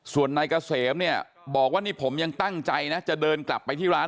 ส่วนนายเกษมบอกว่าก้นิผมยังตั้งใจจะเดินกลับไปที่ร้าน